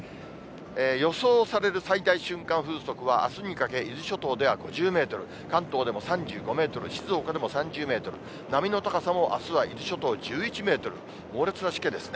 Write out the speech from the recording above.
予想される最大瞬間風速はあすにかけ、伊豆諸島では５０メートル、関東でも３５メートル、静岡でも３０メートル、波の高さもあすは伊豆諸島１１メートル、猛烈なしけですね。